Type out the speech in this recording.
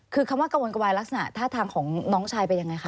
คือคำว่ากระวนกระวายลักษณะท่าทางของน้องชายเป็นยังไงคะ